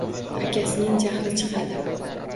Akasining jahli chiqadi